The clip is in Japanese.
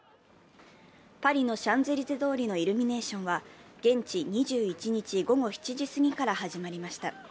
パリのシャンゼリゼ通りのイルミネーションは現地２１日午後７時すぎから始まりました。